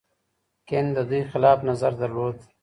کنت د دوی خلاف نظر درلود.